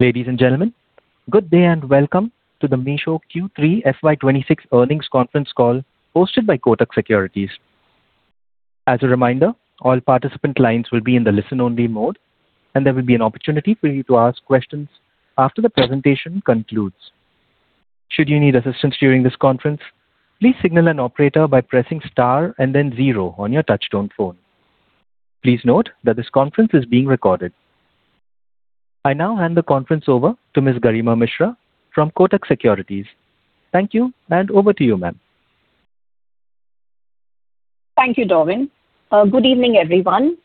Ladies and gentlemen, good day, and welcome to the Meesho Q3 FY 2026 earnings conference call, hosted by Kotak Securities. As a reminder, all participant lines will be in the listen-only mode, and there will be an opportunity for you to ask questions after the presentation concludes. Should you need assistance during this conference, please signal an operator by pressing star and then zero on your touchtone phone. Please note that this conference is being recorded. I now hand the conference over to Ms. Garima Mishra from Kotak Securities. Thank you, and over to you, ma'am. Thank you, Darwin. Good evening, everyone.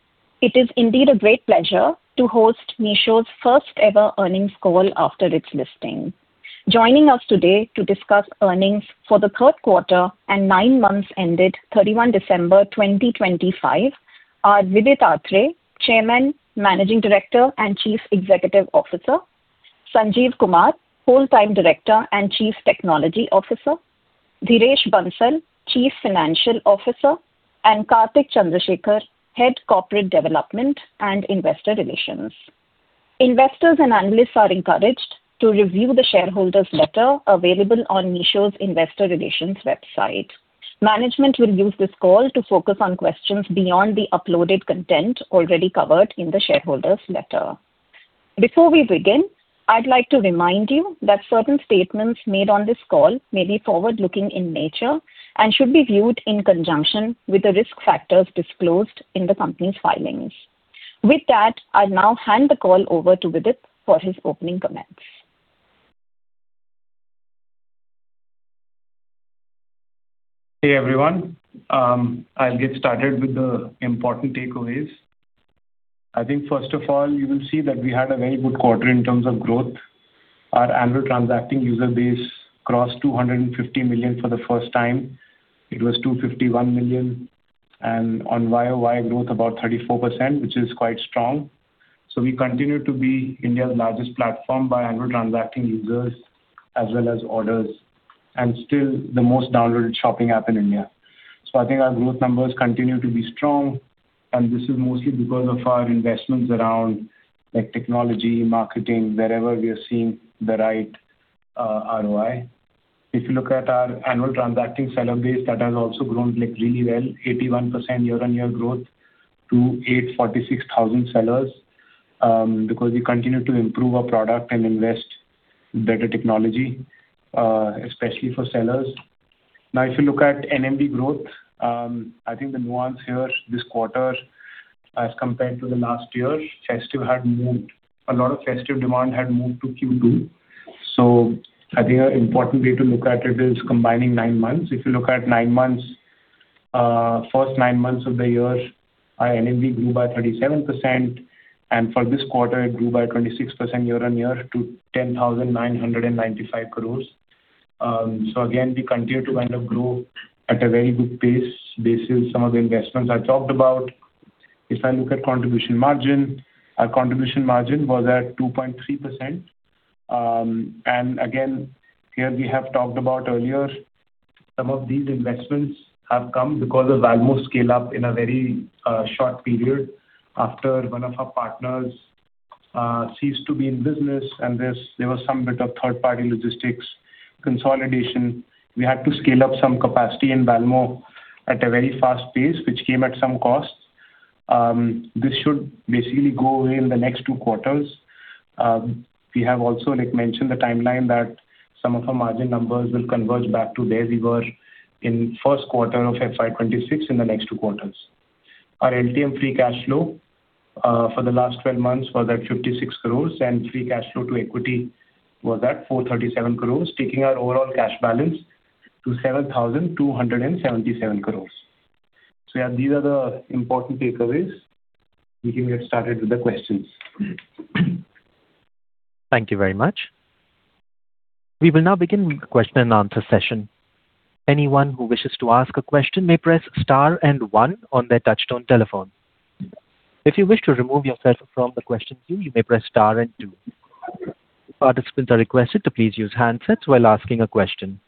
It is indeed a great pleasure to host Meesho's first-ever earnings call after its listing. Joining us today to discuss earnings for the third quarter and nine months ended 31 December, 2025 are Vidit Aatrey, Chairman, Managing Director, and Chief Executive Officer, Sanjeev Kumar, Whole-Time Director and Chief Technology Officer, Dhiresh Bansal, Chief Financial Officer, and Karthik Chandrashekar, Head Corporate Development and Investor Relations. Investors and analysts are encouraged to review the shareholders' letter available on Meesho's investor relations website. Management will use this call to focus on questions beyond the uploaded content already covered in the shareholders' letter. Before we begin, I'd like to remind you that certain statements made on this call may be forward-looking in nature and should be viewed in conjunction with the risk factors disclosed in the company's filings. With that, I'll now hand the call over to Vidit for his opening comments. Hey, everyone. I'll get started with the important takeaways. I think, first of all, you will see that we had a very good quarter in terms of growth. Our annual transacting user base crossed 250 million for the first time. It was 251 million, and on YoY growth, about 34%, which is quite strong. So we continue to be India's largest platform by annual transacting users as well as orders, and still the most downloaded shopping app in India. So I think our growth numbers continue to be strong, and this is mostly because of our investments around, like, technology, marketing, wherever we are seeing the right ROI. If you look at our annual transacting seller base, that has also grown, like, really well, 81% year-on-year growth to 846,000 sellers, because we continue to improve our product and invest better technology, especially for sellers. Now, if you look at NMV growth, I think the nuance here this quarter as compared to the last year, festive had moved, a lot of festive demand had moved to Q2. So I think an important way to look at it is combining nine months. If you look at nine months, first nine months of the year, our NMV grew by 37%, and for this quarter, it grew by 26% year-on-year to 10,995 crore. So again, we continue to kind of grow at a very good pace basis some of the investments I talked about. If I look at contribution margin, our contribution margin was at 2.3%. And again, here we have talked about earlier, some of these investments have come because of Valmo's scale up in a very short period. After one of our partners ceased to be in business, and there was some bit of third-party logistics consolidation, we had to scale up some capacity in Valmo at a very fast pace, which came at some cost. This should basically go away in the next two quarters. We have also, like, mentioned the timeline that some of our margin numbers will converge back to where we were in first quarter of FY 2026 in the next two quarters. Our LTM free cash flow for the last 12 months was at 56 crore, and free cash flow to equity was at 437 crore, taking our overall cash balance to 7,277 crore. So yeah, these are the important takeaways. We can get started with the questions. Thank you very much. We will now begin the question and answer session. Anyone who wishes to ask a question may press star and one on their touchtone telephone. If you wish to remove yourself from the question queue, you may press star and two. Participants are requested to please use handsets while asking a question.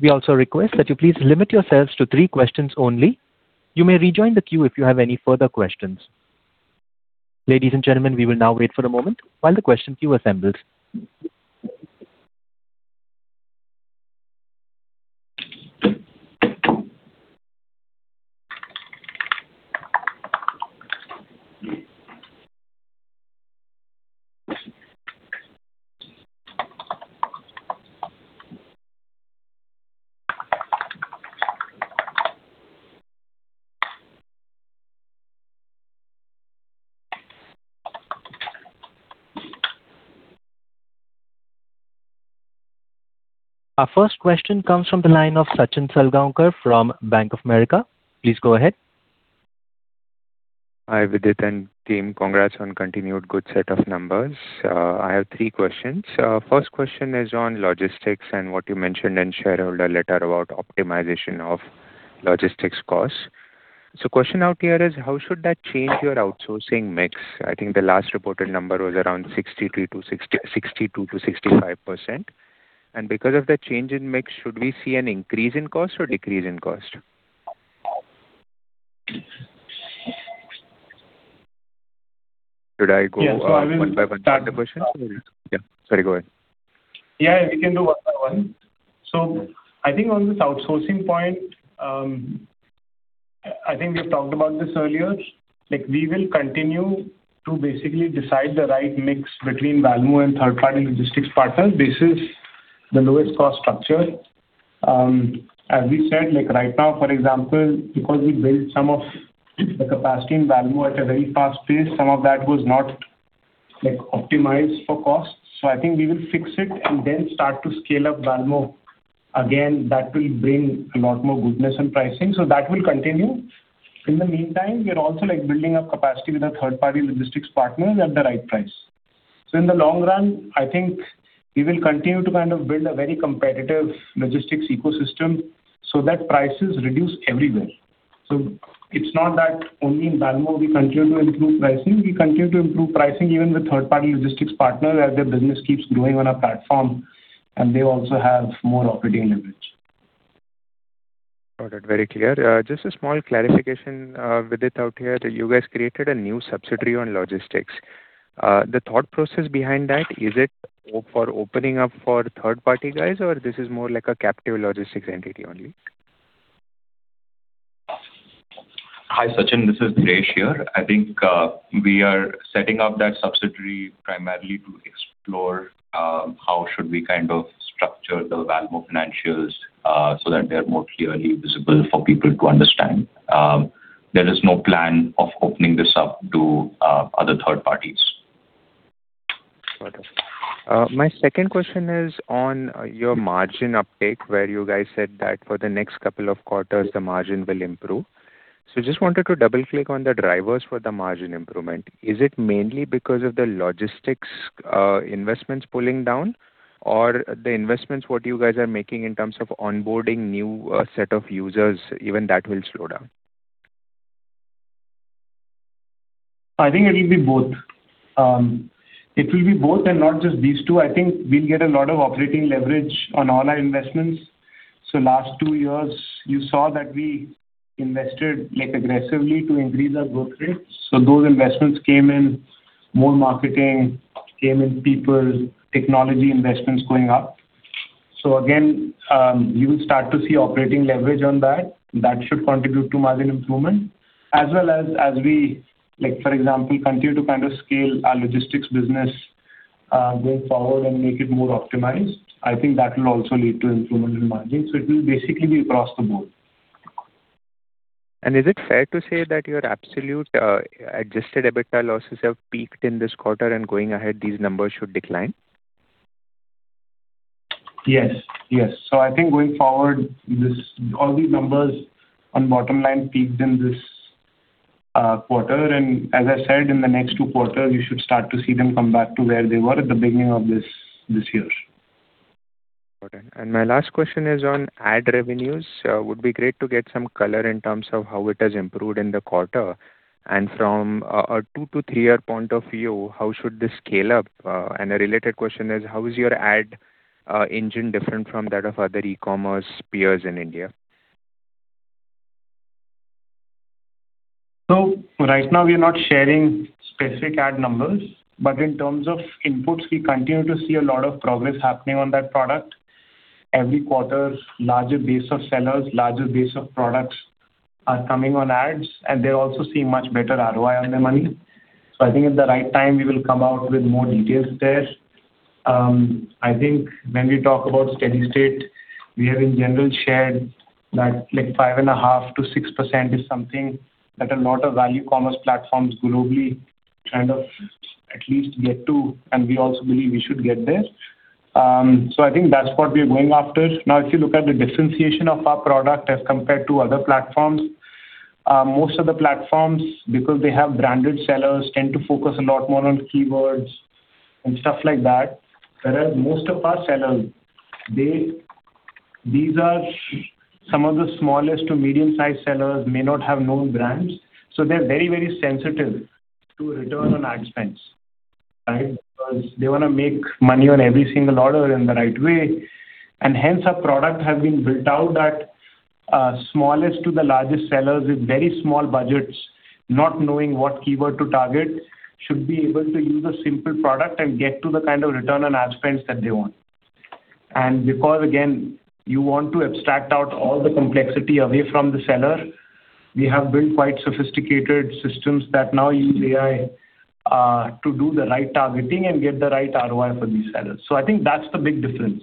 We also request that you please limit yourselves to three questions only. You may rejoin the queue if you have any further questions. Ladies and gentlemen, we will now wait for a moment while the question queue assembles. Our first question comes from the line of Sachin Salgaonkar from Bank of America. Please go ahead. Hi, Vidit and team. Congrats on continued good set of numbers. I have three questions. First question is on logistics and what you mentioned in shareholder letter about optimization of logistics costs. So question out here is: How should that change your outsourcing mix? I think the last reported number was around 62%-65%. And because of the change in mix, should we see an increase in cost or decrease in cost? Should I go one by one with the question? Yeah. Sorry, go ahead. Yeah, we can do one by one. So I think on this outsourcing point, I think we've talked about this earlier, like, we will continue to basically decide the right mix between Valmo and third party logistics partners. This is the lowest cost structure. As we said, like, right now, for example, because we built some of the capacity in Valmo at a very fast pace, some of that was not, like, optimized for cost. So I think we will fix it and then start to scale up Valmo again. That will bring a lot more goodness in pricing, so that will continue. In the meantime, we are also, like, building up capacity with our third party logistics partners at the right price. So in the long run, I think we will continue to kind of build a very competitive logistics ecosystem so that prices reduce everywhere. So it's not that only in Valmo we continue to improve pricing, we continue to improve pricing even with third party logistics partner as their business keeps growing on our platform, and they also have more operating leverage. Got it. Very clear. Just a small clarification, Vidit, out here. You guys created a new subsidiary on logistics. The thought process behind that, is it for opening up for third party guys, or this is more like a captive logistics entity only? Hi, Sachin, this is Dhiresh here. I think we are setting up that subsidiary primarily to explore how we should kind of structure the Valmo financials so that they are more clearly visible for people to understand. There is no plan of opening this up to other third parties. Got it. My second question is on your margin uptake, where you guys said that for the next couple of quarters, the margin will improve. So just wanted to double-click on the drivers for the margin improvement. Is it mainly because of the logistics, investments pulling down? Or the investments, what you guys are making in terms of onboarding new, set of users, even that will slow down? I think it will be both. It will be both, and not just these two. I think we'll get a lot of operating leverage on all our investments. So last two years, you saw that we invested, like, aggressively to increase our growth rates. So those investments came in, more marketing came in, people, technology investments going up. So again, you will start to see operating leverage on that. That should contribute to margin improvement, as well as, as we like, for example, continue to kind of scale our logistics business, going forward and make it more optimized. I think that will also lead to improvement in margins. So it will basically be across the board. Is it fair to say that your absolute adjusted EBITDA losses have peaked in this quarter, and going ahead, these numbers should decline? Yes. Yes. So I think going forward, this, all these numbers on bottom line peaked in this quarter. And as I said, in the next two quarters, you should start to see them come back to where they were at the beginning of this year. Got it. My last question is on ad revenues. Would be great to get some color in terms of how it has improved in the quarter. From a two-to-three year point of view, how should this scale up? A related question is: How is your ad engine different from that of other e-commerce peers in India? So right now, we are not sharing specific ad numbers, but in terms of inputs, we continue to see a lot of progress happening on that product. Every quarter, larger base of sellers, larger base of products are coming on ads, and they're also seeing much better ROI on their money. So I think at the right time, we will come out with more details there. I think when we talk about steady state, we have in general shared that, like, 5.5%-6% is something that a lot of value commerce platforms globally kind of at least get to, and we also believe we should get there. So I think that's what we are going after. Now, if you look at the differentiation of our product as compared to other platforms, most of the platforms, because they have branded sellers, tend to focus a lot more on keywords and stuff like that. Whereas most of our sellers, these are some of the smallest to medium-sized sellers, may not have known brands, so they're very, very sensitive to return on ad spends, right? Because they wanna make money on every single order in the right way, and hence our product has been built out at smallest to the largest sellers with very small budgets, not knowing what keyword to target, should be able to use a simple product and get to the kind of return on ad spends that they want. Because, again, you want to abstract out all the complexity away from the seller, we have built quite sophisticated systems that now use AI to do the right targeting and get the right ROI for these sellers. I think that's the big difference.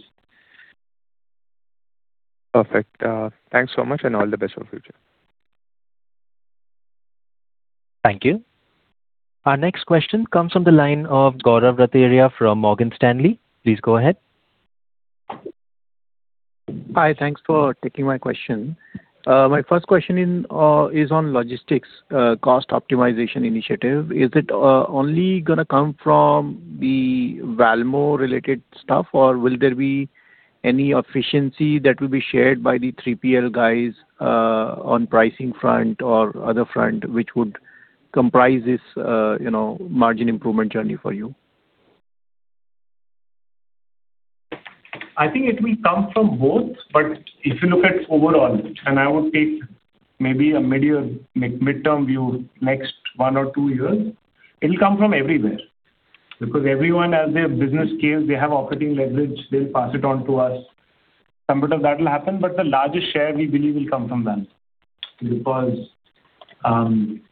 Perfect. Thanks so much and all the best for future. Thank you. Our next question comes from the line of Gaurav Rateria from Morgan Stanley. Please go ahead. Hi, thanks for taking my question. My first question is on logistics cost optimization initiative. Is it only gonna come from the Valmo-related stuff, or will there be any efficiency that will be shared by the 3PL guys on pricing front or other front, which would comprise this, you know, margin improvement journey for you? I think it will come from both, but if you look at overall, and I would take maybe a mid-year, mid, midterm view, next one or two years, it'll come from everywhere. Because everyone, as their business scales, they have operating leverage, they'll pass it on to us. Some bit of that will happen, but the largest share, we believe, will come from them. Because,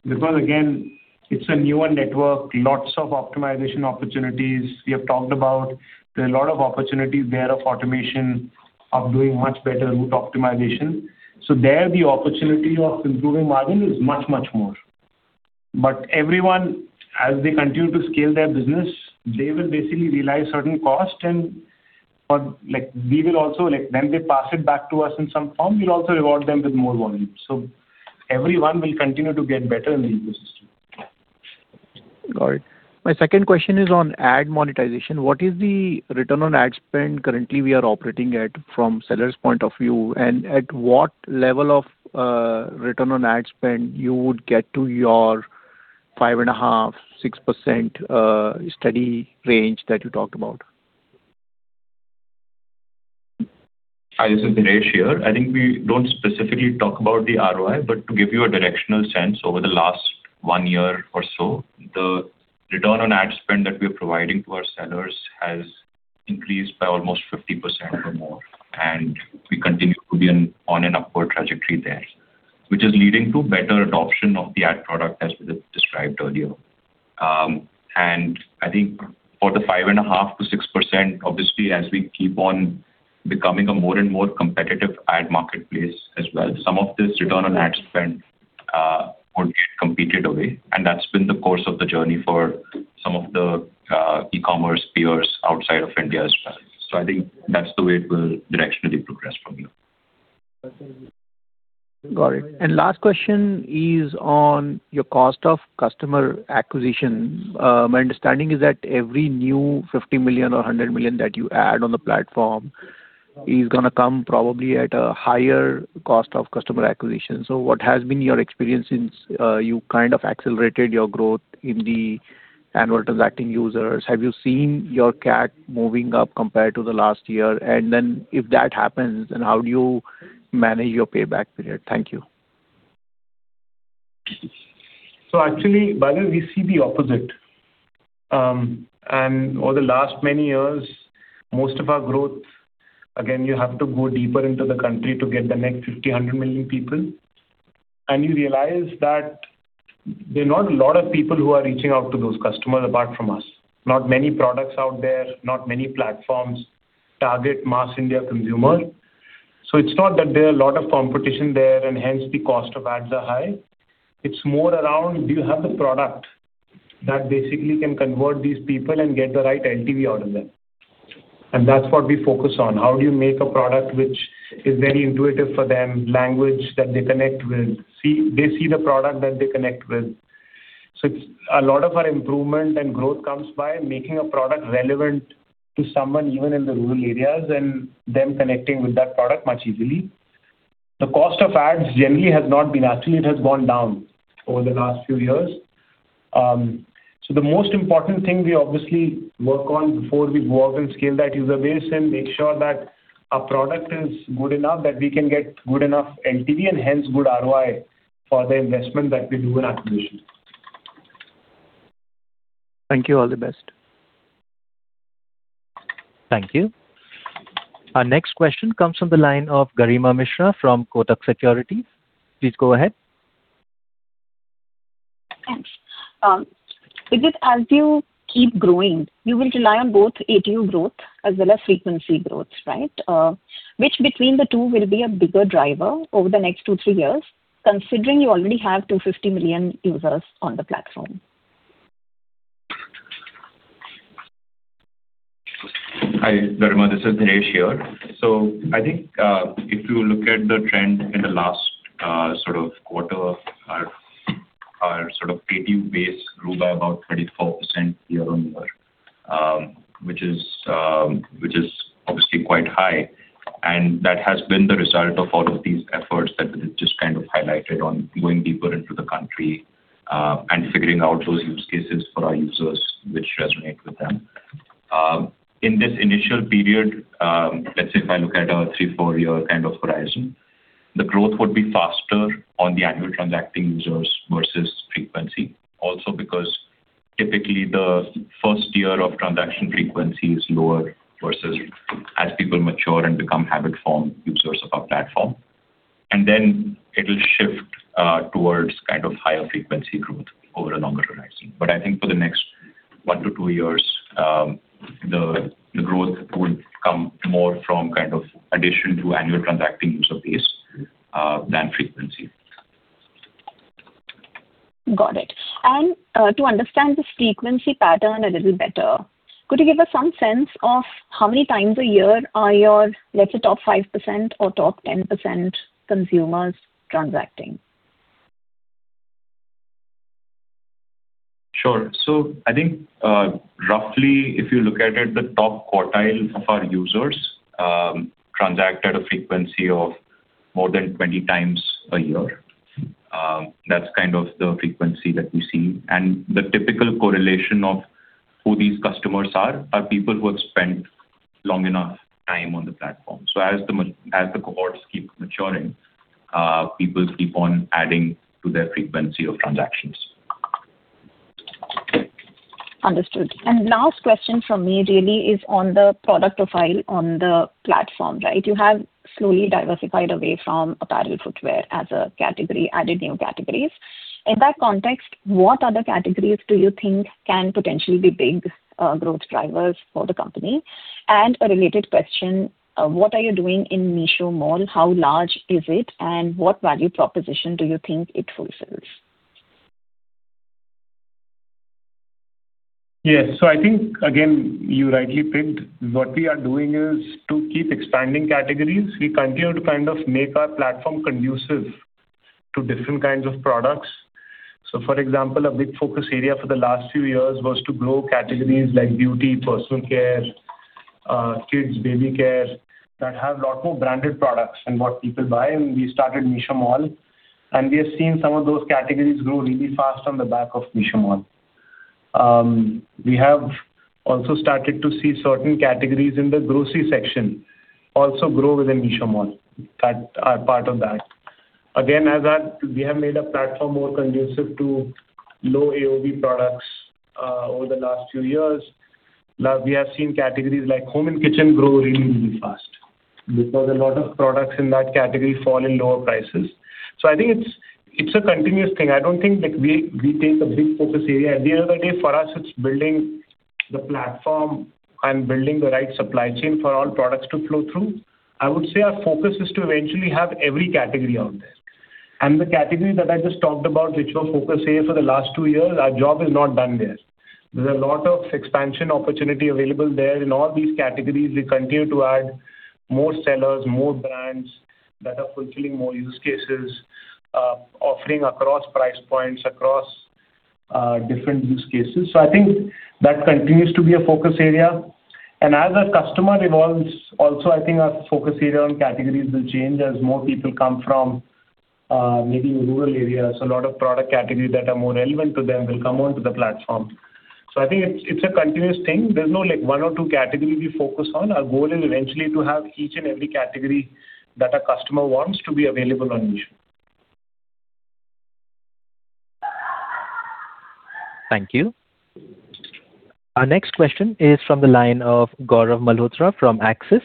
because again, it's a newer network, lots of optimization opportunities. We have talked about there are a lot of opportunities there of automation, of doing much better route optimization. So there, the opportunity of improving margin is much, much more. But everyone, as they continue to scale their business, they will basically realize certain costs and, or like, we will also like, then they pass it back to us in some form, we'll also reward them with more volume. Everyone will continue to get better in the ecosystem. Got it. My second question is on ad monetization. What is the return on ad spend currently we are operating at, from sellers' point of view? And at what level of return on ad spend you would get to your 5.5%-6% steady range that you talked about? Hi, this is Dhiresh here. I think we don't specifically talk about the ROI, but to give you a directional sense, over the last one year or so, the return on ad spend that we're providing to our sellers has increased by almost 50% or more, and we continue to be in on an upward trajectory there, which is leading to better adoption of the ad product as we described earlier. And I think for the 5.5%-6%, obviously, as we keep on becoming a more and more competitive ad marketplace as well, some of this return on ad spend would compete it away. And that's been the course of the journey for some of the e-commerce peers outside of India as well. So I think that's the way it will directionally progress from here. Got it. And last question is on your cost of customer acquisition. My understanding is that every new 50 million or 100 million that you add on the platform is gonna come probably at a higher cost of customer acquisition. So what has been your experience since you kind of accelerated your growth in the annual transacting users? Have you seen your CAC moving up compared to the last year? And then if that happens, then how do you manage your payback period? Thank you. So actually, by that we see the opposite. And over the last many years, most of our growth, again, you have to go deeper into the country to get the next 50, 100 million people. And you realize that there are not a lot of people who are reaching out to those customers, apart from us. Not many products out there, not many platforms, target mass India consumer. So it's not that there are a lot of competition there and hence the cost of ads are high. It's more around, do you have the product that basically can convert these people and get the right LTV out of them? And that's what we focus on, how do you make a product which is very intuitive for them, language that they connect with, see... They see the product that they connect with. So it's a lot of our improvement and growth comes by making a product relevant to someone, even in the rural areas, and them connecting with that product much easily. The cost of ads generally has not been... Actually, it has gone down over the last few years. So the most important thing we obviously work on before we go out and scale that user base and make sure that our product is good enough, that we can get good enough LTV and hence good ROI for the investment that we do in acquisition. Thank you. All the best. Thank you. Our next question comes from the line of Garima Mishra from Kotak Securities. Please go ahead. Thanks. Vidit, as you keep growing, you will rely on both ATU growth as well as frequency growth, right? Which between the two will be a bigger driver over the next two to three years, considering you already have 250 million users on the platform? Hi, Garima, this is Dhiresh here. So I think, if you look at the trend in the last, sort of quarter, our, our sort of ATU base grew by about 24% year-on-year, which is obviously quite high, and that has been the result of all of these efforts that Vidit just kind of highlighted on going deeper into the country, and figuring out those use cases for our users, which resonate with them. In this initial period, let's say if I look at our 3-4-year kind of horizon, the growth would be faster on the annual transacting users versus frequency. Also, because typically the first year of transaction frequency is lower versus as people mature and become habit-formed users of our platform. Then it will shift towards kind of higher frequency growth over a longer horizon. But I think for the next one to two years, the growth will come more from kind of addition to annual transacting user base than frequency. Got it. To understand the frequency pattern a little better, could you give us some sense of how many times a year are your, let's say, top 5% or top 10% consumers transacting? Sure. So I think, roughly, if you look at it, the top quartile of our users, transact at a frequency of more than 20 times a year. That's kind of the frequency that we see. And the typical correlation of who these customers are, are people who have spent long enough time on the platform. So as the cohorts keep maturing, people keep on adding to their frequency of transactions. Understood. And last question from me really is on the product profile on the platform, right? You have slowly diversified away from apparel footwear as a category, added new categories. In that context, what other categories do you think can potentially be big, growth drivers for the company? And a related question, what are you doing in Meesho Mall? How large is it, and what value proposition do you think it fulfills? Yes. So I think, again, you rightly picked. What we are doing is to keep expanding categories. We continue to kind of make our platform conducive to different kinds of products. So, for example, a big focus area for the last few years was to grow categories like beauty, personal care, kids, baby care, that have a lot more branded products than what people buy. And we started Meesho Mall, and we have seen some of those categories grow really fast on the back of Meesho Mall. We have also started to see certain categories in the grocery section also grow within Meesho Mall, that are part of that. Again, we have made our platform more conducive to low AOV products, over the last few years. Now we have seen categories like home and kitchen grow really, really fast, because a lot of products in that category fall in lower prices. So I think it's, it's a continuous thing. I don't think that we, we take a big focus area. At the end of the day, for us, it's building the platform and building the right supply chain for all products to flow through. I would say our focus is to eventually have every category out there. And the categories that I just talked about, which were focus areas for the last two years, our job is not done there. There are a lot of expansion opportunity available there. In all these categories, we continue to add more sellers, more brands that are fulfilling more use cases, offering across price points, across different use cases. So I think that continues to be a focus area. As our customer evolves, also, I think our focus area on categories will change as more people come from, maybe rural areas. A lot of product categories that are more relevant to them will come onto the platform. So I think it's, it's a continuous thing. There's no, like, one or two categories we focus on. Our goal is eventually to have each and every category that a customer wants to be available on Meesho. Thank you. Our next question is from the line of Gaurav Malhotra from Axis.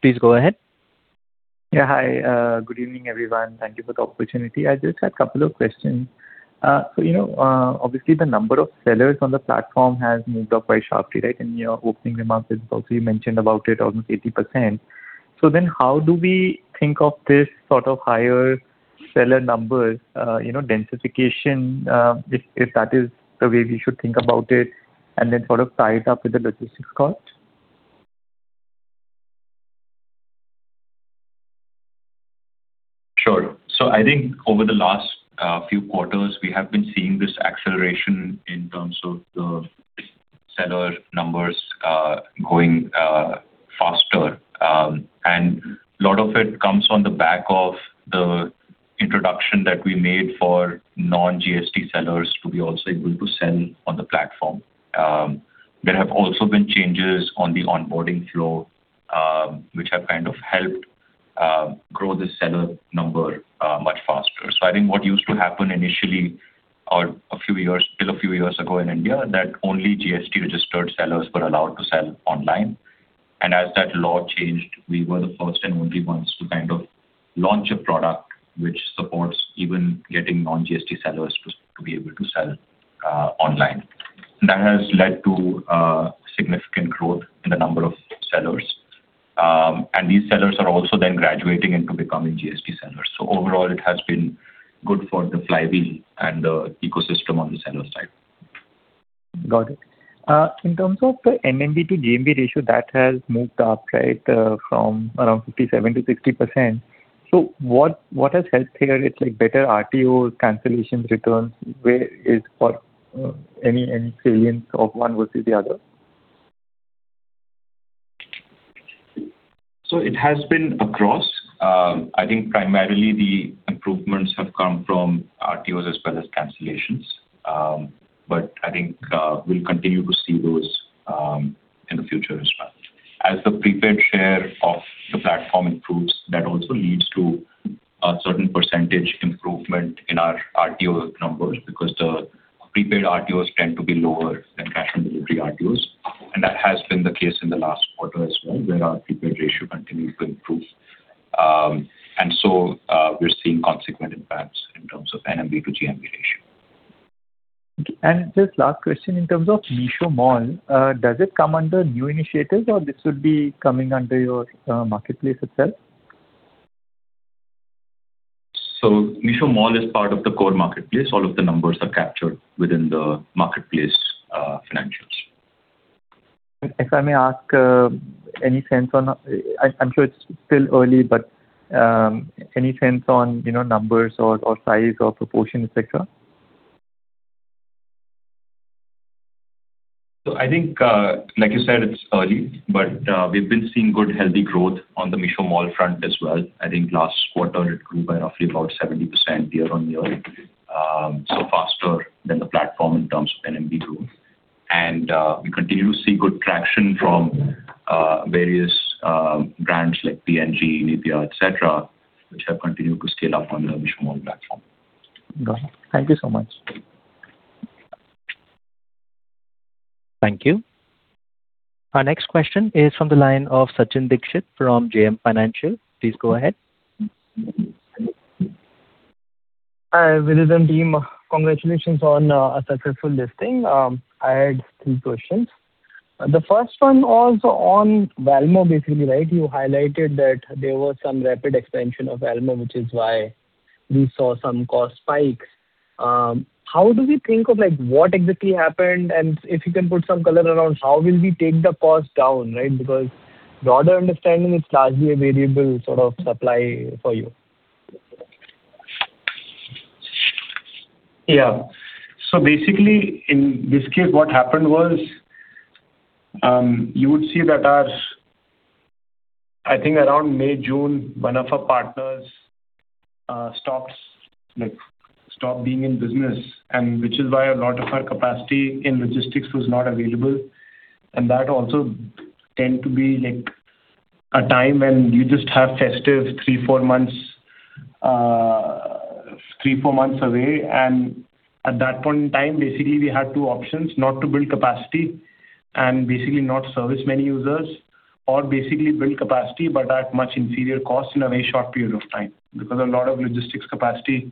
Please go ahead. Yeah, hi. Good evening, everyone. Thank you for the opportunity. I just had a couple of questions. So, you know, obviously, the number of sellers on the platform has moved up very sharply, right? In your opening remarks, you also mentioned about it, almost 80%. So then, how do we think of this sort of higher seller numbers, you know, densification, if that is the way we should think about it, and then sort of tie it up with the logistics cost? Sure. So I think over the last few quarters, we have been seeing this acceleration in terms of the seller numbers going faster. And a lot of it comes on the back of the introduction that we made for non-GST sellers to be also able to sell on the platform. There have also been changes on the onboarding flow, which have kind of helped grow the seller number much faster. So I think what used to happen initially, or a few years, till a few years ago in India, that only GST-registered sellers were allowed to sell online. And as that law changed, we were the first and only ones to kind of launch a product which supports even getting non-GST sellers to be able to sell online. That has led to significant growth in the number of sellers. And these sellers are also then graduating into becoming GST sellers. So overall, it has been good for the flywheel and the ecosystem on the seller side. Got it. In terms of the NMV to GMV ratio, that has moved up, right, from around 57% to 60%. So what has helped here? It's, like, better RTO, cancellations, returns, or any variance of one versus the other? So it has been across. I think primarily the improvements have come from RTOs as well as cancellations. But I think we'll continue to see those in the future as well. As the prepaid share of the platform improves, that also leads to a certain percentage improvement in our RTO numbers, because the prepaid RTOs tend to be lower than cash-on-delivery RTOs, and that has been the case in the last quarter as well, where our prepaid ratio continued to improve. And so, we're seeing consequent impacts in terms of NMV to GMV ratio. Just last question in terms of Meesho Mall, does it come under new initiatives, or this would be coming under your marketplace itself? Meesho Mall is part of the core marketplace. All of the numbers are captured within the marketplace, financials. If I may ask, any sense on... I'm sure it's still early, but, any sense on, you know, numbers or size or proportion, et cetera?... So I think, like you said, it's early, but, we've been seeing good, healthy growth on the Meesho Mall front as well. I think last quarter it grew by roughly about 70% year-on-year, so faster than the platform in terms of NMV growth. And, we continue to see good traction from, various, brands like P&G, Nitya, et cetera, which have continued to scale up on the Meesho Mall platform. Got it. Thank you so much. Thank you. Our next question is from the line of Sachin Dixit from JM Financial. Please go ahead. Hi, Vidit and team. Congratulations on a successful listing. I had three questions. The first one was on Valmo, basically, right? You highlighted that there was some rapid expansion of Valmo, which is why we saw some cost spikes. How do we think of, like, what exactly happened? And if you can put some color around, how will we take the cost down, right? Because the broader understanding is largely a variable sort of supply for you. Yeah. So basically, in this case, what happened was, you would see that our, I think around May, June, one of our partners stopped being in business, and which is why a lot of our capacity in logistics was not available. And that also tend to be like a time when you just have festive three, four months, three, four months away. And at that point in time, basically, we had two options: not to build capacity and basically not service many users, or basically build capacity but at much inferior costs in a very short period of time. Because a lot of logistics capacity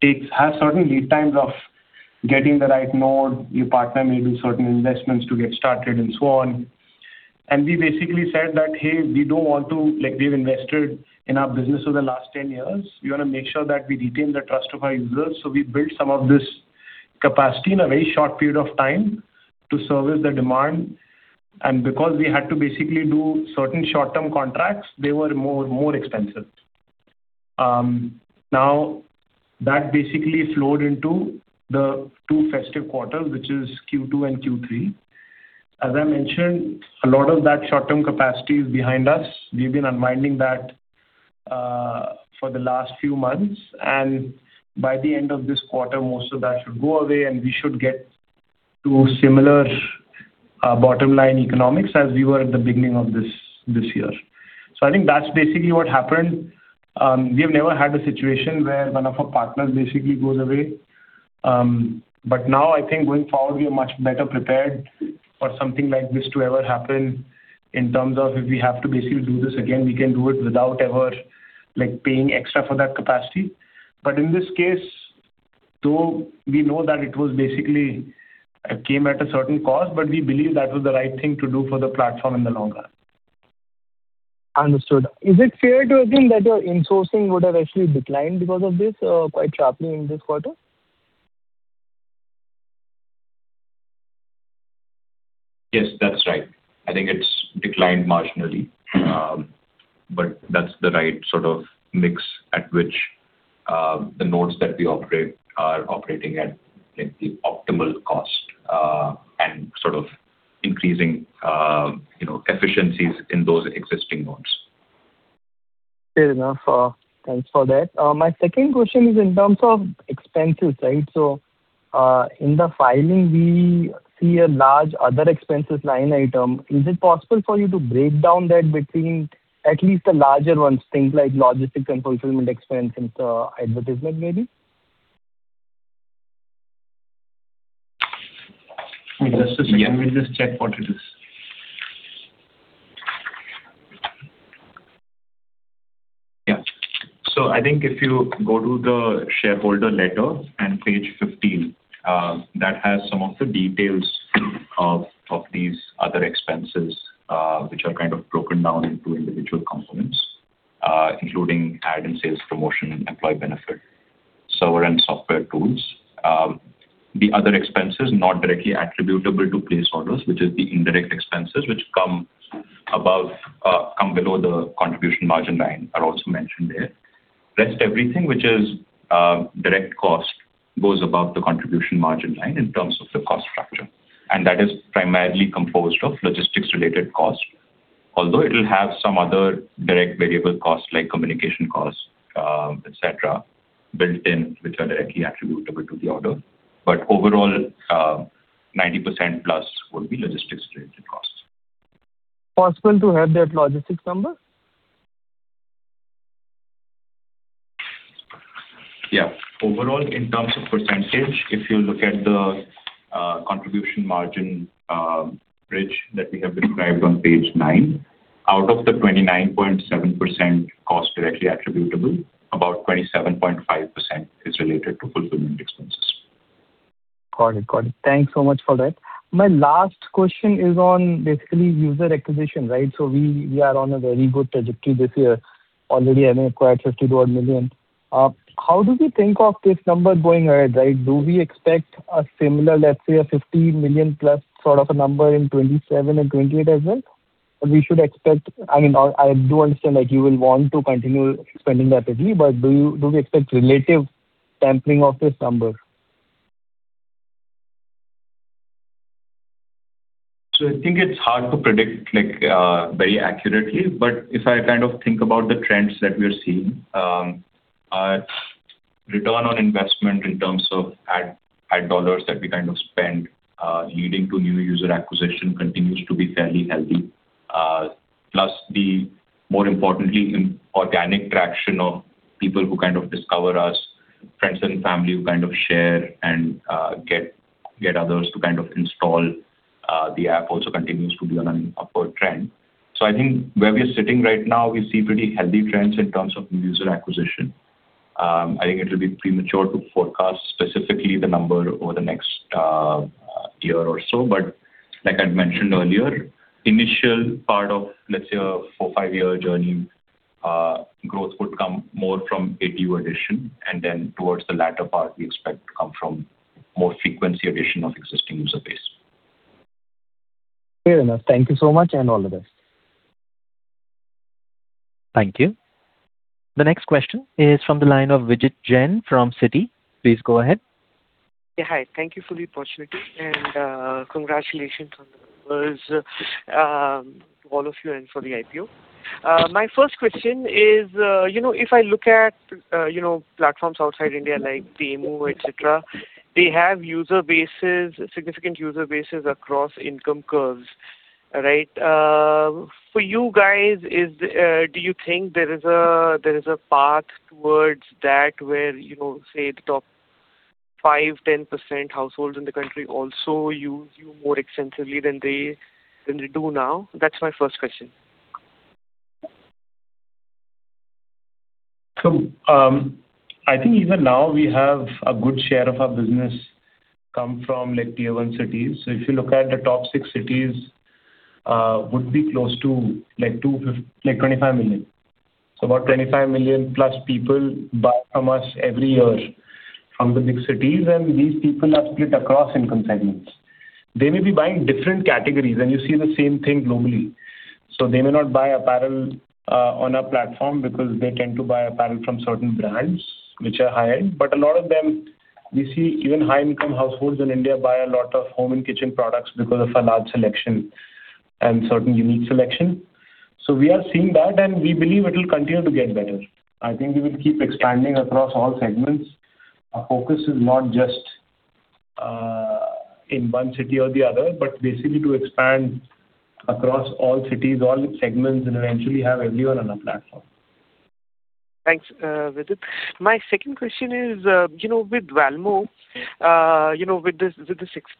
takes, has certain lead times of getting the right mode, your partner may do certain investments to get started, and so on. We basically said that, "Hey, we don't want to. Like, we've invested in our business over the last 10 years. We want to make sure that we retain the trust of our users." So we built some of this capacity in a very short period of time to service the demand, and because we had to basically do certain short-term contracts, they were more, more expensive. Now, that basically flowed into the two festive quarters, which is Q2 and Q3. As I mentioned, a lot of that short-term capacity is behind us. We've been unwinding that for the last few months, and by the end of this quarter, most of that should go away, and we should get to similar bottom-line economics as we were at the beginning of this, this year. So I think that's basically what happened. We have never had a situation where one of our partners basically goes away. But now I think going forward, we are much better prepared for something like this to ever happen in terms of if we have to basically do this again, we can do it without ever, like, paying extra for that capacity. But in this case, though, we know that it basically came at a certain cost, but we believe that was the right thing to do for the platform in the long run. Understood. Is it fair to assume that your insourcing would have actually declined because of this, quite sharply in this quarter? Yes, that's right. I think it's declined marginally. But that's the right sort of mix at which, the nodes that we operate are operating at, like, the optimal cost, and sort of increasing, you know, efficiencies in those existing nodes. Fair enough. Thanks for that. My second question is in terms of expenses, right? So, in the filing, we see a large other expenses line item. Is it possible for you to break down that between at least the larger ones, things like logistics and fulfillment expenses, advertisement maybe? Just a second. Let me just check what it is. Yeah. So I think if you go to the shareholder letter on page 15, that has some of the details of, of these other expenses, which are kind of broken down into individual components, including ad and sales promotion and employee benefit, server and software tools. The other expenses not directly attributable to place orders, which is the indirect expenses, which come below the contribution margin line, are also mentioned there. Rest everything, which is, direct cost, goes above the contribution margin line in terms of the cost structure, and that is primarily composed of logistics-related costs. Although it will have some other direct variable costs, like communication costs, et cetera, built in, which are directly attributable to the order. But overall, 90%+ will be logistics-related costs. Possible to have that logistics number? Yeah. Overall, in terms of percentage, if you look at the contribution margin bridge that we have described on page nine, out of the 29.7% cost directly attributable, about 27.5% is related to fulfillment expenses. Got it. Got it. Thanks so much for that. My last question is on basically user acquisition, right? So we, we are on a very good trajectory this year. Already, having acquired 52-odd million. How do we think of this number going ahead, right? Do we expect a similar, let's say, a 50 million-plus sort of a number in 2027 and 2028 as well? We should expect... I mean, I, I do understand that you will want to continue spending rapidly, but do you - do we expect relative-... sampling of this number? So I think it's hard to predict, like, very accurately, but if I kind of think about the trends that we are seeing, return on investment in terms of ad dollars that we kind of spend, leading to new user acquisition continues to be fairly healthy. Plus, more importantly, in organic traction of people who kind of discover us, friends and family who kind of share and get others to kind of install the app also continues to be on an upward trend. So I think where we are sitting right now, we see pretty healthy trends in terms of new user acquisition. I think it will be premature to forecast specifically the number over the next year or so, but like I'd mentioned earlier, initial part of, let's say, a four-five-year journey, growth would come more from ATU addition, and then towards the latter part, we expect to come from more frequency addition of existing user base. Fair enough. Thank you so much, and all the best. Thank you. The next question is from the line of Vijit Jain from Citi. Please go ahead. Yeah, hi. Thank you for the opportunity and, congratulations on those, to all of you and for the IPO. My first question is, you know, if I look at, you know, platforms outside India, like Temu, et cetera, they have user bases, significant user bases across income curves, right? For you guys, is, do you think there is a, there is a path towards that where, you know, say, the top 5, 10% households in the country also use you more extensively than they, than they do now? That's my first question. So, I think even now we have a good share of our business come from, like, tier one cities. So if you look at the top six cities, would be close to, like, 25 million. So about 25 million plus people buy from us every year from the big cities, and these people are split across income segments. They may be buying different categories, and you see the same thing globally. So they may not buy apparel on our platform because they tend to buy apparel from certain brands which are high-end. But a lot of them, we see even high-income households in India buy a lot of home and kitchen products because of our large selection and certain unique selection. So we are seeing that, and we believe it will continue to get better. I think we will keep expanding across all segments. Our focus is not just in one city or the other, but basically to expand across all cities, all segments, and eventually have everyone on our platform. Thanks, Vijit. My second question is, you know, with Valmo, you know, with this, with the 6,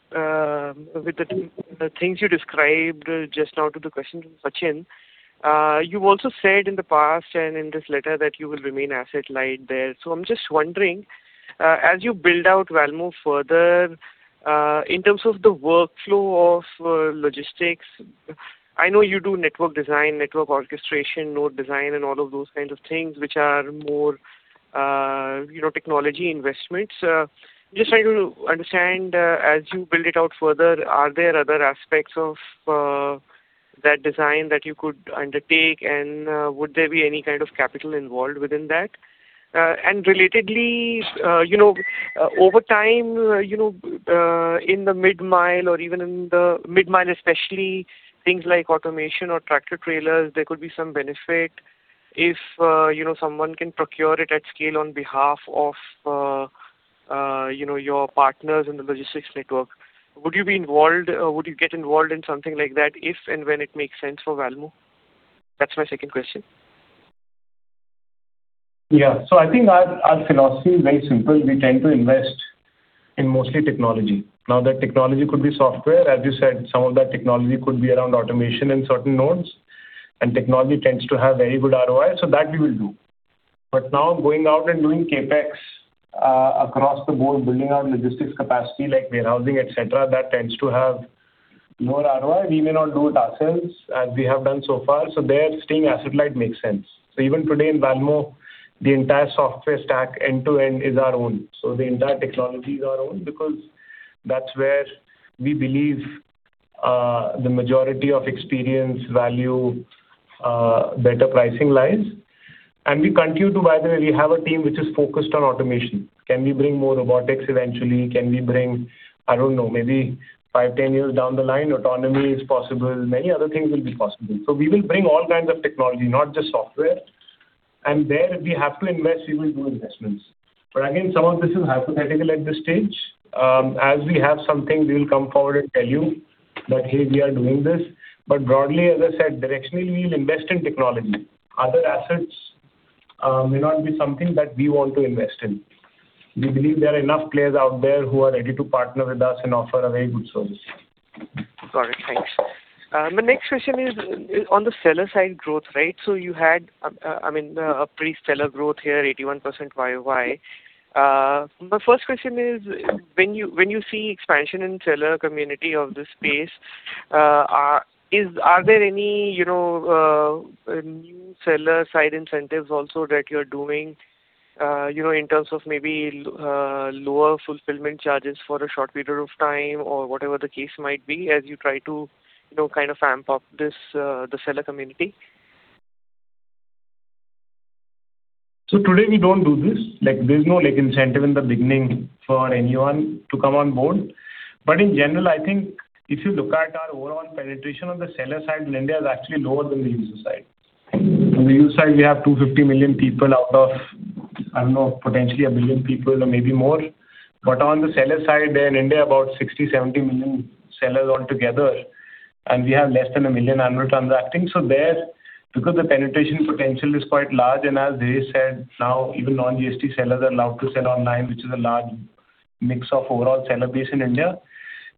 with the, the things you described just now to the question from Sachin, you also said in the past and in this letter that you will remain asset-light there. So I'm just wondering, as you build out Valmo further, in terms of the workflow of, logistics, I know you do network design, network orchestration, node design, and all of those kinds of things, which are more, you know, technology investments. Just trying to understand, as you build it out further, are there other aspects of, that design that you could undertake? And, would there be any kind of capital involved within that? And relatedly, you know, over time, you know, in the mid-mile or even in the mid-mile especially, things like automation or tractor-trailers, there could be some benefit if, you know, someone can procure it at scale on behalf of, you know, your partners in the logistics network. Would you be involved... would you get involved in something like that, if and when it makes sense for Valmo? That's my second question. Yeah. So I think our philosophy is very simple. We tend to invest in mostly technology. Now, that technology could be software. As you said, some of that technology could be around automation in certain nodes, and technology tends to have very good ROI, so that we will do. But now going out and doing CapEx, across the board, building out logistics capacity, like warehousing, et cetera, that tends to have lower ROI. We may not do it ourselves as we have done so far, so there staying asset-light makes sense. So even today in Valmo, the entire software stack, end-to-end, is our own. So the entire technology is our own because that's where we believe, the majority of experience, value, better pricing lies. And we continue to... By the way, we have a team which is focused on automation. Can we bring more robotics eventually? Can we bring... I don't know, maybe five, 10 years down the line, autonomy is possible. Many other things will be possible. So we will bring all kinds of technology, not just software. And there, if we have to invest, we will do investments. But again, some of this is hypothetical at this stage. As we have something, we will come forward and tell you that, "Hey, we are doing this." But broadly, as I said, directionally, we will invest in technology. Other assets may not be something that we want to invest in. We believe there are enough players out there who are ready to partner with us and offer a very good service. Got it. Thanks. My next question is on the seller side growth rate. So you had, I mean, a pretty stellar growth here, 81% YoY. My first question is, when you see expansion in seller community of this space, are there any, you know, new seller side incentives also that you're doing, you know, in terms of maybe lower fulfillment charges for a short period of time or whatever the case might be, as you try to, you know, kind of amp up the seller community? ...So today we don't do this. Like, there's no, like, incentive in the beginning for anyone to come on board. But in general, I think if you look at our overall penetration on the seller side, India is actually lower than the user side. On the user side, we have 250 million people out of, I don't know, potentially 1 billion people or maybe more. But on the seller side, there in India, about 60-70 million sellers altogether, and we have less than 1 million annual transacting. So there, because the penetration potential is quite large, and as they said, now even non-GST sellers are allowed to sell online, which is a large mix of overall seller base in India.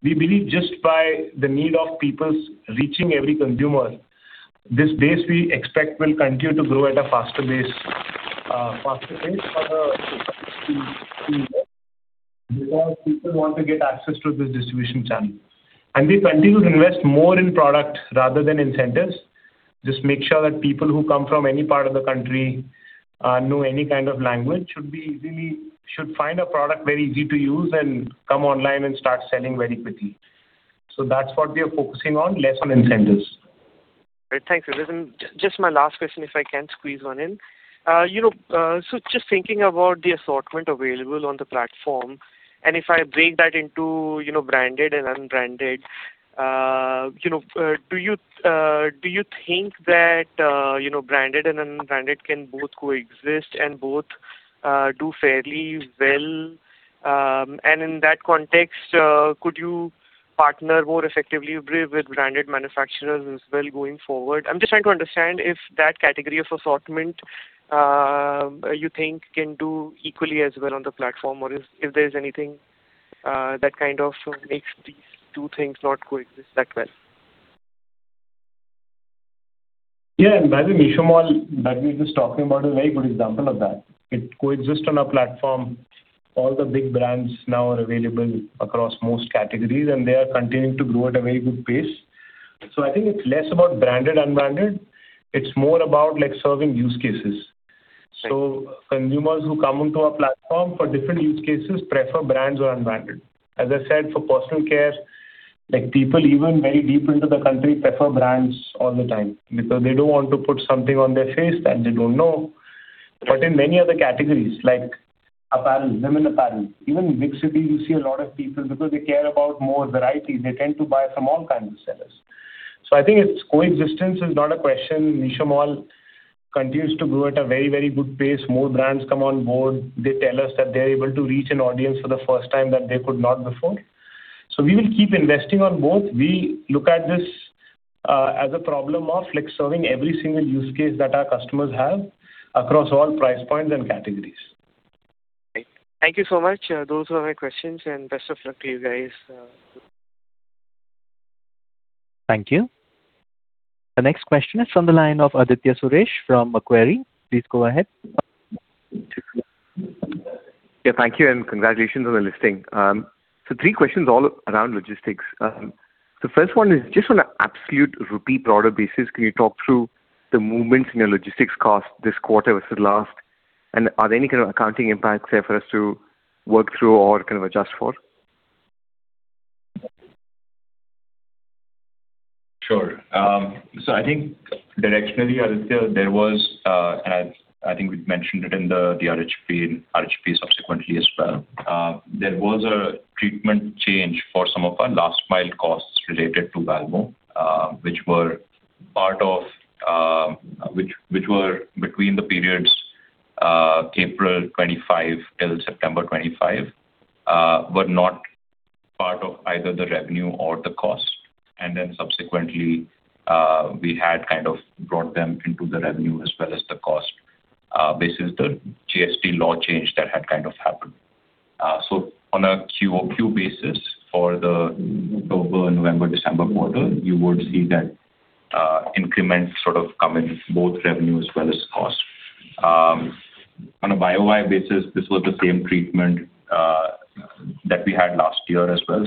We believe just by the need of people's reaching every consumer, this base, we expect, will continue to grow at a faster base, faster pace for the because people want to get access to this distribution channel. We continue to invest more in product rather than incentives. Just make sure that people who come from any part of the country, know any kind of language, should find our product very easy to use and come online and start selling very quickly. So that's what we are focusing on, less on incentives. Great. Thanks, Vidit. And just my last question, if I can squeeze one in. You know, so just thinking about the assortment available on the platform, and if I break that into, you know, branded and unbranded, you know, do you think that, you know, branded and unbranded can both coexist and both do fairly well? And in that context, could you partner more effectively with branded manufacturers as well going forward? I'm just trying to understand if that category of assortment, you think can do equally as well on the platform, or if there's anything that kind of makes these two things not coexist that well. Yeah, and the Meesho Mall that we're just talking about is a very good example of that. It coexists on our platform. All the big brands now are available across most categories, and they are continuing to grow at a very good pace. So I think it's less about branded, unbranded; it's more about, like, serving use cases. Right. So consumers who come onto our platform for different use cases prefer brands or unbranded. As I said, for personal care, like, people even very deep into the country, prefer brands all the time because they don't want to put something on their face that they don't know. But in many other categories, like apparel, women apparel, even big city, you see a lot of people, because they care about more variety, they tend to buy from all kinds of sellers. So I think its coexistence is not a question. Meesho Mall continues to grow at a very, very good pace. More brands come on board. They tell us that they're able to reach an audience for the first time that they could not before. So we will keep investing on both. We look at this as a problem of, like, serving every single use case that our customers have across all price points and categories. Great. Thank you so much. Those were my questions, and best of luck to you guys. Thank you. The next question is from the line of Aditya Suresh from Macquarie. Please go ahead. Yeah, thank you, and congratulations on the listing. Three questions all around logistics. The first one is just on a absolute rupee product basis, can you talk through the movements in your logistics cost this quarter versus last? And are there any kind of accounting impacts there for us to work through or kind of adjust for? Sure. So I think directionally, Aditya, there was... and I think we've mentioned it in the DRHP and RHP subsequently as well. There was a treatment change for some of our last mile costs related to Valmo, which were between the periods, April 2025 till September 2025, were not part of either the revenue or the cost. And then subsequently, we had kind of brought them into the revenue as well as the cost, basis the GST law change that had kind of happened. So on a QoQ basis for the October, November, December quarter, you would see that, increments sort of come in both revenue as well as cost. On a YoY basis, this was the same treatment that we had last year as well.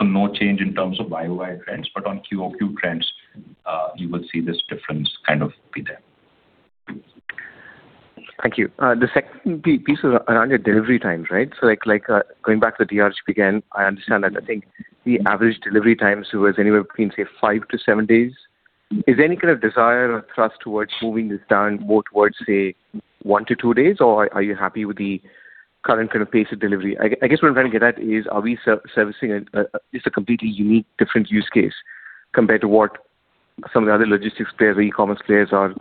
So, no change in terms of YoY trends, but on QoQ trends, you will see this difference kind of be there. Thank you. The second piece was around your delivery times, right? So like, going back to the DRHP again, I understand that I think the average delivery times was anywhere between, say, 5-7 days. Is there any kind of desire or thrust towards moving this down more towards, say, 1-2 days, or are you happy with the current kind of pace of delivery? I guess what I'm trying to get at is, are we servicing a just a completely unique, different use case compared to what some of the other logistics players or e-commerce players are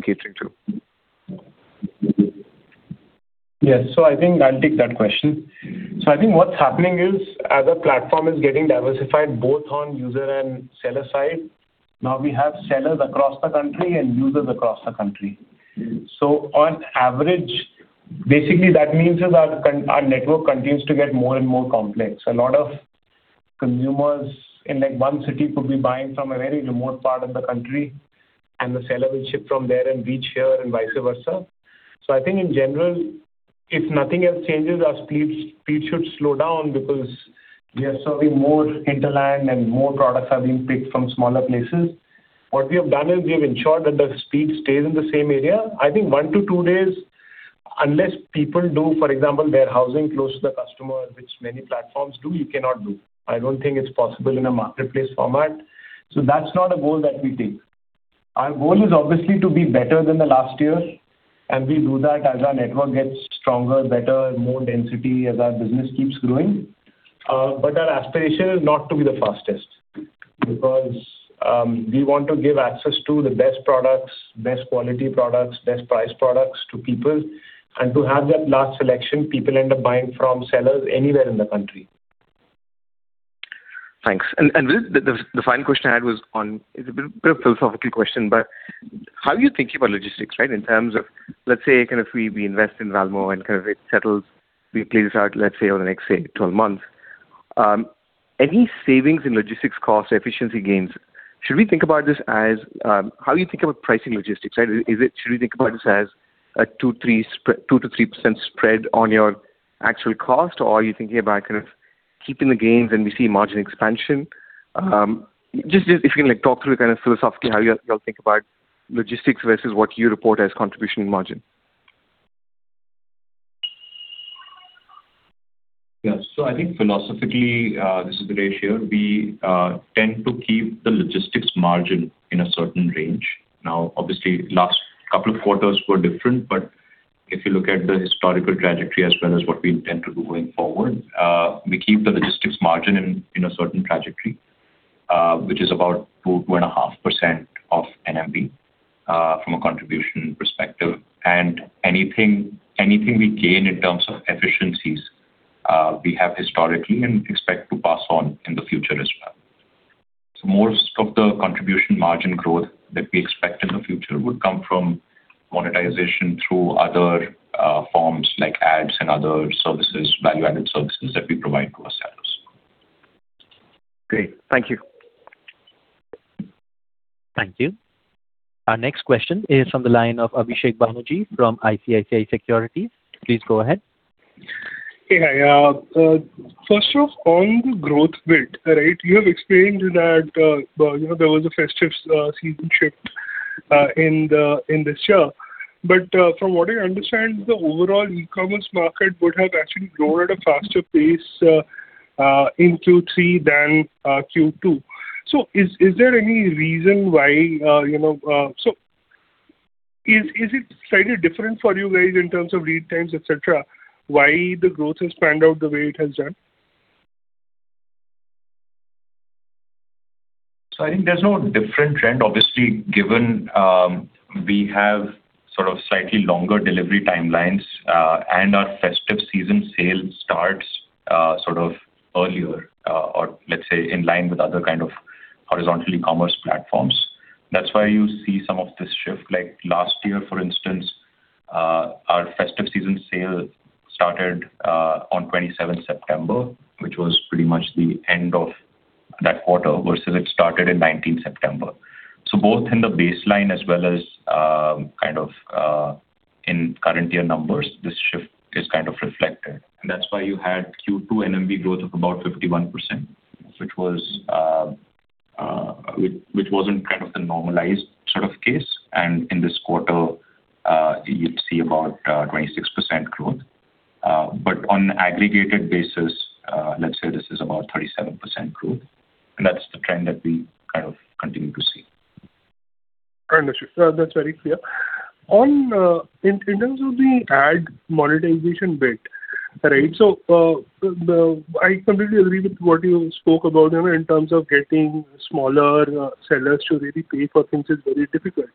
catering to? Yes. So I think I'll take that question. So I think what's happening is, as our platform is getting diversified both on user and seller side, now we have sellers across the country and users across the country. So on average, basically that means is our network continues to get more and more complex. A lot of consumers in, like, one city could be buying from a very remote part of the country, and the seller will ship from there and reach here, and vice versa. So I think in general, if nothing else changes, our speed should slow down because we are serving more hinterland and more products are being picked from smaller places. What we have done is we have ensured that the speed stays in the same area. I think 1-2 days-... unless people do, for example, their housing close to the customer, which many platforms do, you cannot do. I don't think it's possible in a marketplace format, so that's not a goal that we take. Our goal is obviously to be better than the last year, and we do that as our network gets stronger, better, more density, as our business keeps growing. But our aspiration is not to be the fastest, because we want to give access to the best products, best quality products, best priced products to people. And to have that large selection, people end up buying from sellers anywhere in the country. Thanks. The final question I had was on... It's a bit of a philosophical question, but how are you thinking about logistics, right? In terms of, let's say, kind of we invest in Valmo and kind of it settles, we clear this out, let's say, over the next, say, 12 months. Any savings in logistics costs, efficiency gains, should we think about this as... How do you think about pricing logistics, right? Is it? Should we think about this as a 2%-3% spread on your actual cost, or are you thinking about kind of keeping the gains and we see margin expansion? Just if you can, like, talk through kind of philosophically how you all think about logistics versus what you report as contribution margin. Yeah. So I think philosophically, this is the ratio. We tend to keep the logistics margin in a certain range. Now, obviously, last couple of quarters were different, but if you look at the historical trajectory as well as what we intend to do going forward, we keep the logistics margin in a certain trajectory, which is about 2-2.5% of NMV, from a contribution perspective. And anything, anything we gain in terms of efficiencies, we have historically and expect to pass on in the future as well. So most of the contribution margin growth that we expect in the future would come from monetization through other forms like ads and other services, value-added services that we provide to our sellers. Great, thank you. Thank you. Our next question is from the line of Abhisek Banerjee from ICICI Securities. Please go ahead. Yeah, first off, on the growth bit, right? You have explained that, well, you know, there was a festive season shift in this year. But from what I understand, the overall e-commerce market would have actually grown at a faster pace in Q3 than Q2. So is there any reason why... You know, so is it slightly different for you guys in terms of lead times, et cetera, why the growth has panned out the way it has done? So I think there's no different trend. Obviously, given we have sort of slightly longer delivery timelines, and our festive season sale starts sort of earlier, or let's say in line with other kind of horizontal e-commerce platforms. That's why you see some of this shift. Like last year, for instance, our festive season sale started on 27th September, which was pretty much the end of that quarter, versus it started in 19th September. So both in the baseline as well as kind of in current year numbers, this shift is kind of reflected. And that's why you had Q2 NMV growth of about 51%, which wasn't kind of the normalized sort of case. And in this quarter, you'd see about 26% growth. But on an aggregated basis, let's say this is about 37% growth, and that's the trend that we kind of continue to see. Understood. That's very clear. On in terms of the ad monetization bit, right? So, I completely agree with what you spoke about, you know, in terms of getting smaller sellers to really pay for things is very difficult.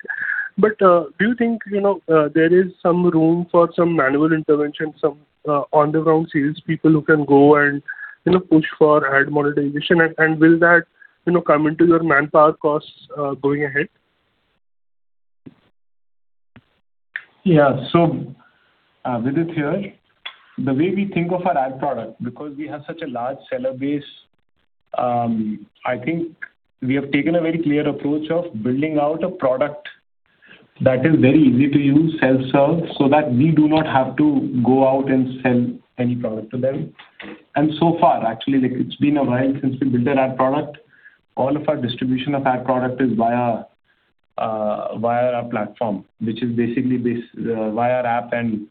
But do you think, you know, there is some room for some manual intervention, some on the ground sales people who can go and, you know, push for ad monetization? And will that, you know, come into your manpower costs going ahead? Yeah. Vidit here. The way we think of our ad product, because we have such a large seller base, I think we have taken a very clear approach of building out a product that is very easy to use, self-serve, so that we do not have to go out and sell any product to them. And so far, actually, like, it's been a while since we built that ad product, all of our distribution of ad product is via our platform, which is basically via our app and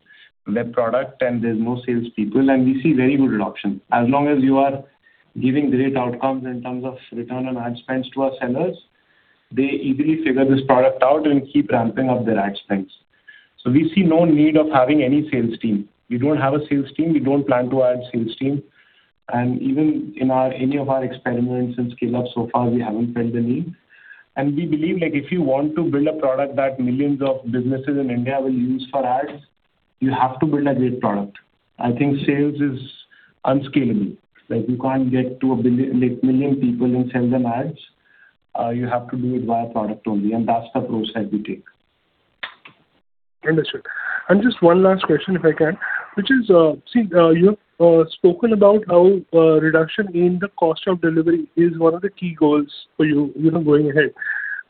web product, and there's no sales people, and we see very good adoption. As long as you are giving great outcomes in terms of return on ad spends to our sellers, they easily figure this product out and keep ramping up their ad spends. So we see no need of having any sales team. We don't have a sales team, we don't plan to add sales team. Even in our any of our experiments and scale up so far, we haven't felt the need. We believe, like, if you want to build a product that millions of businesses in India will use for ads, you have to build a great product. I think sales is unscalable. Like, you can't get to a billi- like, million people and sell them ads. You have to do it via product only, and that's the approach that we take. Understood. And just one last question, if I can, which is, you have spoken about how reduction in the cost of delivery is one of the key goals for you, you know, going ahead.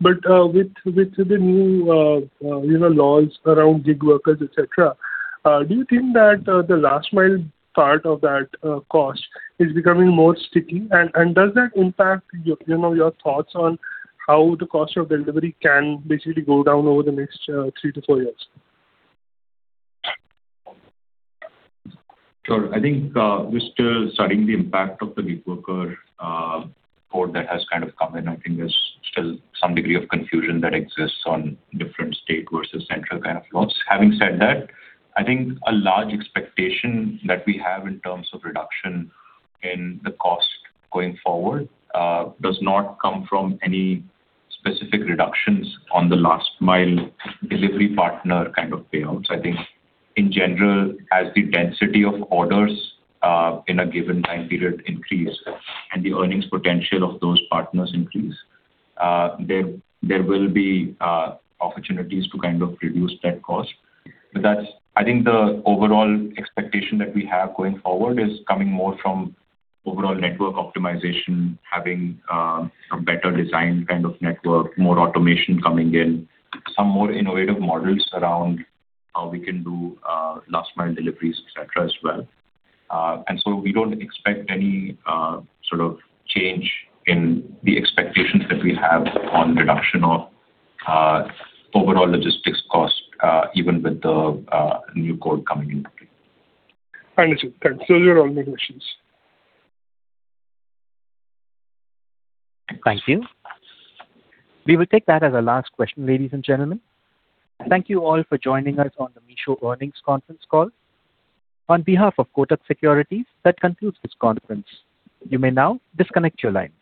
But with the new, you know, laws around gig workers, et cetera, do you think that the last mile part of that cost is becoming more sticky? And does that impact your, you know, your thoughts on how the cost of delivery can basically go down over the next three to four years? Sure. I think we're still studying the impact of the gig worker code that has kind of come in. I think there's still some degree of confusion that exists on different state versus central kind of laws. Having said that, I think a large expectation that we have in terms of reduction in the cost going forward does not come from any specific reductions on the last mile delivery partner kind of payouts. I think in general, as the density of orders in a given time period increase and the earnings potential of those partners increase, there will be opportunities to kind of reduce that cost. But that's, I think, the overall expectation that we have going forward is coming more from overall network optimization, having a better designed kind of network, more automation coming in, some more innovative models around how we can do last mile deliveries, et cetera, as well. And so we don't expect any sort of change in the expectations that we have on reduction of overall logistics cost, even with the new code coming into play. Understood. Thanks. Those are all my questions. Thank you. We will take that as our last question, ladies and gentlemen. Thank you all for joining us on the Meesho Earnings Conference Call. On behalf of Kotak Securities, that concludes this conference. You may now disconnect your lines.